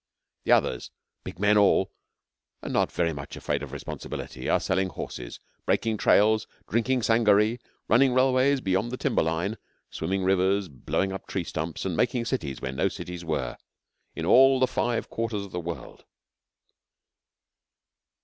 The others, big men all and not very much afraid of responsibility, are selling horses, breaking trails, drinking sangaree, running railways beyond the timberline, swimming rivers, blowing up tree stumps, and making cities where no cities were, in all the five quarters of the world.